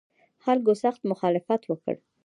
خلکو سخت مخالفت وکړ.